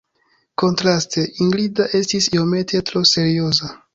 Kontraste, Ingrida estis iomete tro serioza.